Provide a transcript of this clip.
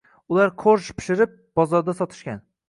Ular korj pishirib, bozorda sotishgan.